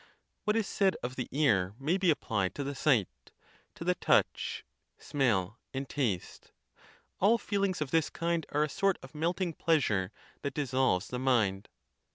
What is said of the ear may be applied to the sight, to the touch, smell, and taste. All feelings of this kind are a sort of melting pleas ure that dissolves the mind.